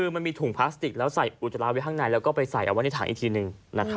มันมีถุงพลาสติกเข้าในและใส่อุ๊ตจาระดังในไปใส่เอาให้ใส่อีกที่นึง